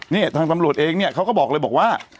เนี่ยทางตำรวจเองเนี่ยเขาก็บอกเลยบอกว่า